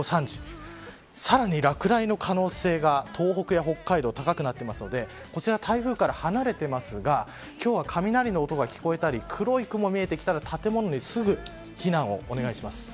午後３時さらに落雷の可能性が東北や北海道、高くなっているのでこちら台風から離れていますが今日は雷の音が聞こえたり黒い雲が見えてきたら建物にすぐ避難をお願いします。